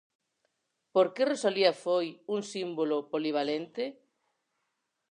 Por que Rosalía foi un símbolo polivalente?